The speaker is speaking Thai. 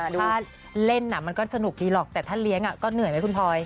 ถ้าเล่นมันก็สนุกดีหรอกแต่ถ้าเลี้ยงก็เหนื่อยไหมคุณพลอย